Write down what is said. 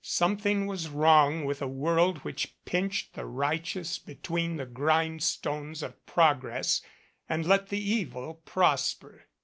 Something was wrong with a world which pinched the righteous be tween the grindstones of progress and let the evil prosper.